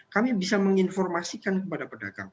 kami bisa menginformasikan kepada pedagang